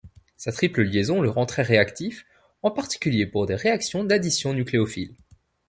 Sa triple liaison le rend très réactif, en particulier pour des réactions d'addition nucléophile.